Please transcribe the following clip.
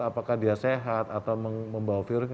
apakah dia sehat atau membawa virus